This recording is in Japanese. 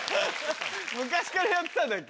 昔からやってたんだっけ？